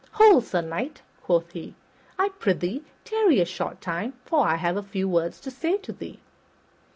"Hold, Sir Knight," quoth he. "I prythee tarry for a short time, for I have a few words to say to thee."